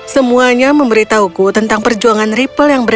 semuanya memberitahuku tentang perjuangan ripel yang berani